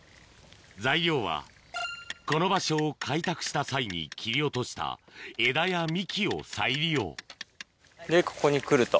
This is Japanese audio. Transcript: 材料はこの場所を開拓した際に切り落とした枝や幹を再利用でここに来ると。